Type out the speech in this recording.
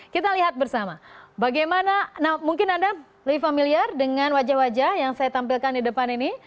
kita lihat bersama bagaimana mungkin anda lebih familiar dengan wajah wajah yang saya tampilkan di depan ini